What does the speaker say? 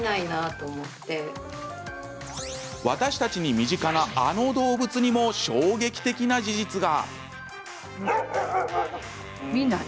私たちに身近なあの動物にも衝撃的な事実が。